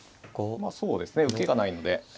まあそうですね受けがないのでええ。